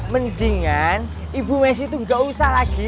mendingan ibu messi itu gak usah lagi